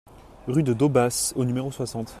Rue de Daubas au numéro soixante